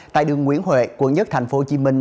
tại đường nguyễn huệ quận nhất thành phố hồ chí minh